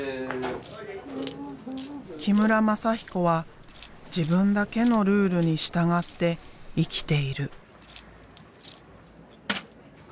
木村全彦は自分だけのルールに従って生きている。